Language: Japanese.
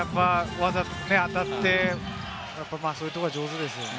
わざと当たって、そういうところが上手ですよね。